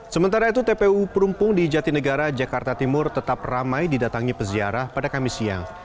sementara itu tpu perumpung di jatinegara jakarta timur tetap ramai didatangi peziarah pada kamis siang